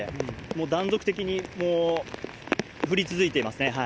断続的に降り続いていますね。